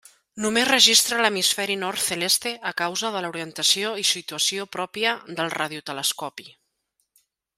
Només registra l'hemisferi nord celeste a causa de l'orientació i situació pròpia del radiotelescopi.